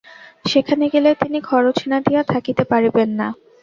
সেখানে গেলে তিনি খরচ না দিয়া থাকিতে পারিবেন না।